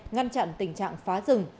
ngăn chặn tình trạng phá rừng